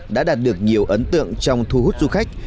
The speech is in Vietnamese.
đã đạt được nhiều ấn tượng trong thu hút du khách